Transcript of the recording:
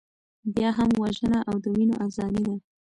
بیا هم وژنه او د وینو ارزاني ده.